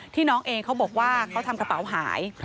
น้องเองเขาบอกว่าเขาทำกระเป๋าหาย